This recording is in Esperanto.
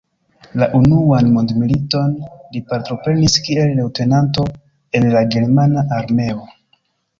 La Unuan Mondmiliton li partoprenis kiel leŭtenanto en la germana armeo.